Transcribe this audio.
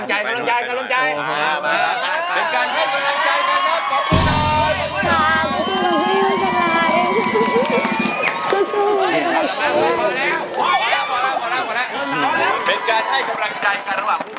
จริง